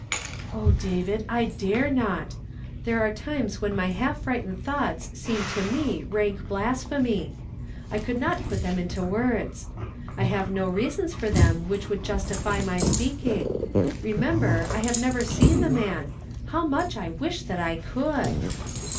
'*"() David, I dare not. There are times when my half frightened thoughts seem to me rank blas phemy ! I could not put them into words. I have no reasons for them which would justify my s[.cakiiig. Remember, I have never seen the man. How nuu'h I wish that I could